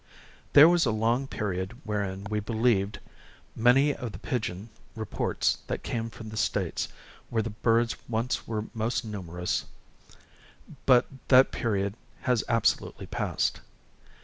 There was a long period wherein we believed many of the pigeon reports that came from the states where the birds once were most numerous; but that period has absolutely passed.